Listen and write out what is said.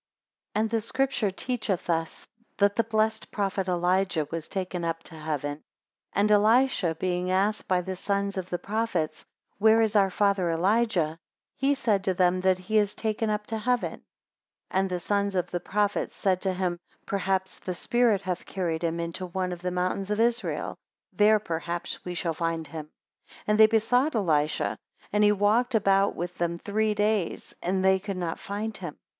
2 And the scripture teacheth us that the blessed prophet Elijah was taken up to heaven, and Elisha being asked by the sons of the prophets, Where is our father Elijah? He said to them, that he is taken up to heaven. 3 And the sons of the prophets said to him, Perhaps the spirit hath carried him into one of the mountains of Israel, there perhaps we shall find him. And they besought Elisha, and he walked about with them three days, and they could not find him.